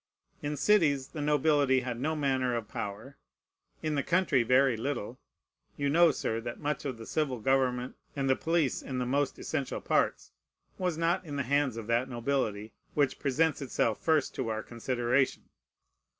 In cities the nobility had no manner of power; in the country very little. You know, Sir, that much of the civil government, and the police in the most essential parts, was not in the hands of that nobility which presents itself first to our consideration.